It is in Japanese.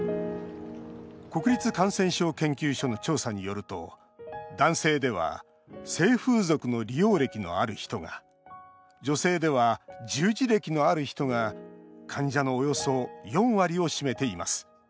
国立感染症研究所の調査によると男性では性風俗の利用歴のある人が女性では従事歴のある人が患者のおよそ４割を占めています。